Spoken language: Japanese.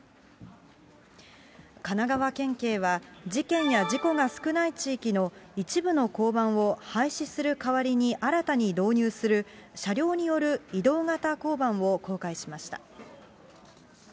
神奈川県警は、事件や事故が少ない地域の一部の交番を廃止する代わりに新たに導入する、車両による移動型交番を公開しました。